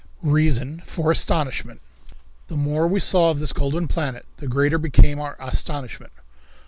Reason for Astonishment. The more we saw of this golden planet the greater became our astonishment.